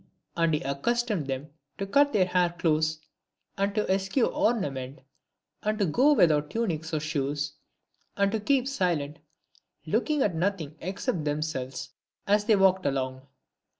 And he accustomed them to cut their hair close, and to eschew ornament, and to go without tunics or shoes, and to keep silent, looking at nothing except themselves as they walked along.